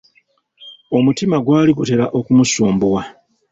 Omutima gwali gutera okumusumbuwa.